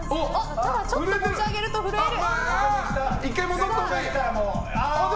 ちょっと持ち上げると震える。